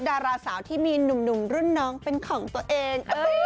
ดาราสาวที่มีหนุ่มรุ่นน้องเป็นของตัวเอง